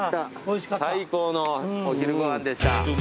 最高のお昼ご飯でした。